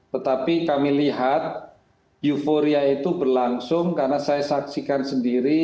tetapi kami lihat euforia itu berlangsung karena saya saksikan sendiri